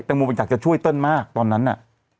งโมมันอยากจะช่วยเติ้ลมากตอนนั้นน่ะ